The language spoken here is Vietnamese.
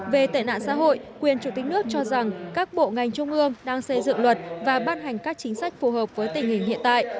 về tệ nạn xã hội quyền chủ tịch nước cho rằng các bộ ngành trung ương đang xây dựng luật và ban hành các chính sách phù hợp với tình hình hiện tại